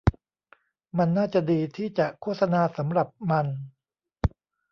มันน่าจะดีที่จะโฆษณาสำหรับมัน